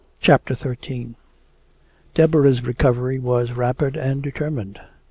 CHAPTER XIII Deborah's recovery was rapid and determined.